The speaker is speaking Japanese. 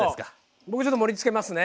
僕ちょっと盛りつけますね。